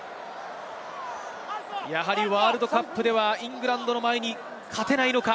やはりワールドカップではイングランドの前に勝てないのか？